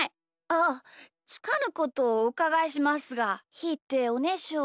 あつかぬことをおうかがいしますがひーっておねしょしてる？